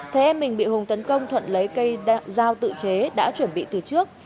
thấy em mình bị hùng tấn công thuận lấy cây dao tự chế đã chuẩn bị từ trước